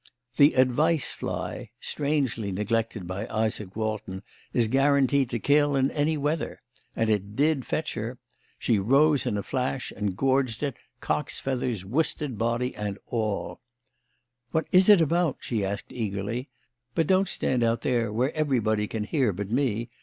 The "advice fly" strangely neglected by Izaak Walton is guaranteed to kill in any weather. And it did fetch her. She rose in a flash and gorged it, cock's feathers, worsted body and all. "What is it about?" she asked eagerly. "But don't stand out there where everybody can hear but me.